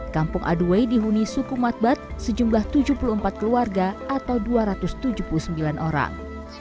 kampung aduway dihuni suku matbat sejumlah tujuh puluh empat keluarga atau dua ratus tujuh puluh sembilan orang